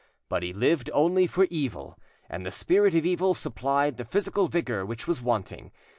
But he lived only for evil, and the Spirit of Evil supplied the physical vigour which was wanting.